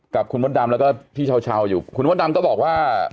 กับคุณมดดำแล้วก็พี่เช้าอยู่คุณมดดำก็บอกว่า